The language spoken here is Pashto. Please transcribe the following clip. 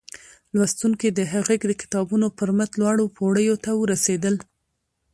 لوستونکي د هغه د کتابونو پر مټ لوړو پوړيو ته ورسېدل